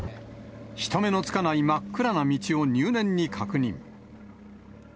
人目のつかない真っ暗な道を入念に確認。